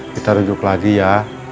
kita rujuk lagi ya